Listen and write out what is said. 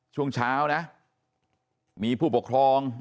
ช่วงเช้านะมีผู้ปกครอง